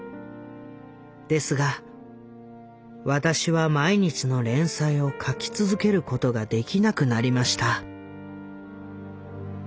ですが私は毎日の連載を描き続けることができなくなりました」。